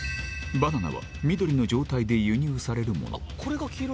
バナナは、緑の状態で輸入されるもの。